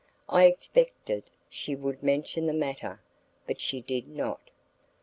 I expected she would mention the matter, but she did not.